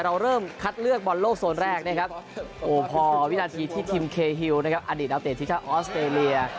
เราเริ่มคัดเลือกบอลโลกโซนแรกนะครับโอพอวินาทีที่ทีมเคฮิลออทิชาอออสเตรเลีย